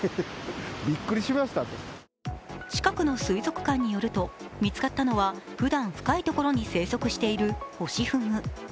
近くの水族館によると見つかったのは、ふだん深い所に生息しているホシフグ。